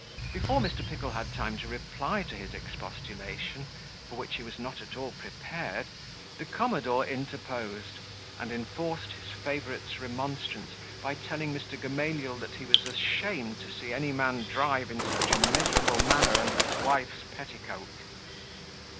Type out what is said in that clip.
Before Mr. Pickle had time to reply to his expostulation, for which he was not at all prepared, the commodore interposed, and enforced his favourite's remonstrance, by telling Mr. Gamaliel that he was ashamed to see any man drive in such a miserable manner under his wife's petticoat.